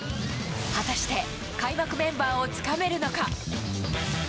果たして開幕メンバーをつかめるのか。